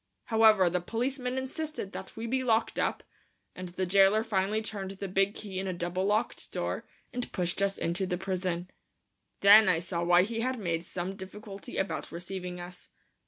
However, the policeman insisted that we be locked up, and the jailer finally turned the big key in a double locked door and pushed us into the prison. Then I saw why he had made some difficulty about receiving us.